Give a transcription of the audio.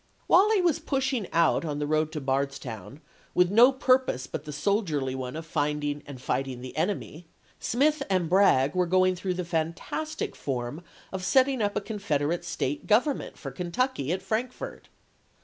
While he was pushing out on the road to Bardstown, with no purpose but the soldierly one of finding and fighting the enemy, Smith and Bragg were going through the fantastic form of setting up a Confederate State government for Kentucky at Frankfort.